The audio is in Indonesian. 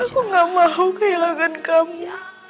aku gak mau kehilangan khasnya